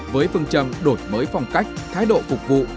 với phương châm đổi mới phong cách thái độ phục vụ